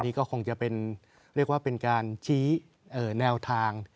นี่ก็คงจะเป็นเรียกว่าเป็นการชี้แนวทาง